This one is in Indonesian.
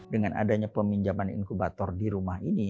dengan adanya peminjaman inkubator di rumah ini